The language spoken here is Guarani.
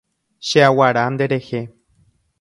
Cheaguara nderehe.